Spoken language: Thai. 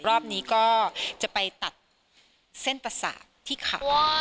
รอบนี้ก็จะไปตัดเส้นประสาทที่ขา